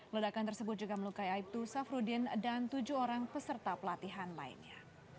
ledakan tersebut juga melukai aibtu safruddin dan tujuh orang peserta pelatihan lainnya